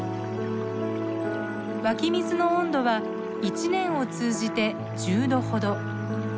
湧水の温度は一年を通じて１０度ほど。